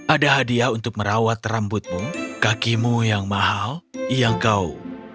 ada hadiah untuk merawat rambutmu kakimu yang mahal yang kau